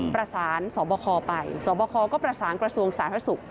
ประสานสบคไปสบคก็ประสานกระทรวงสาธารณสุข